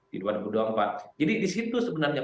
di dua ribu dua puluh empat jadi disitu sebenarnya